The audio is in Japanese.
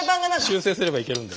修正すればいける？